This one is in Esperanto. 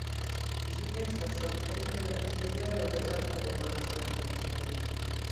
Ĝi estas samtempe la ĉiujare okazanta Germana Esperanto-Kongreso.